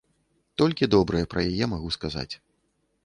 Толькі добрае пра яе магу сказаць.